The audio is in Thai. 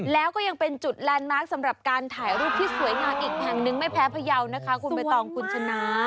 แล้วก็ยังเป็นจุดแลนด์มาร์คสำหรับการถ่ายรูปที่สวยงามอีกแห่งหนึ่งไม่แพ้พยาวนะคะคุณใบตองคุณชนะ